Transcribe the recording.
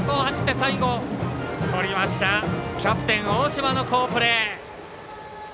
キャプテン、大島の好プレー。